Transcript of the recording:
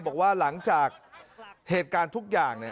บอกว่าหลังจากเหตุการณ์ทุกอย่าง